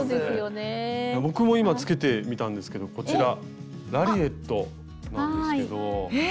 僕も今つけてみたんですけどこちらラリエットなんですけど。え！